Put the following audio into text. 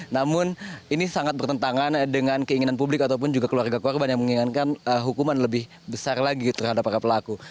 namun ini sangat bertentangan dengan keinginan publik ataupun juga keluarga korban yang menginginkan hukuman lebih besar lagi terhadap para pelaku